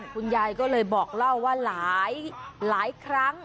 คุณยายก็เลยบอกเล่าว่าหลายครั้ง